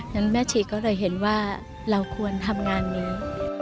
นั้นแม่ชีก็เลยเห็นว่าเราควรทำงานเยอะ